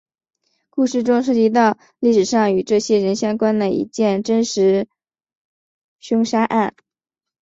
故事中涉及到历史上与这些人相关的一件真实凶杀案。